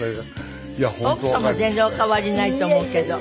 奥様全然お変わりないと思うけど。